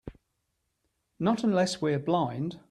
Not unless we're blind.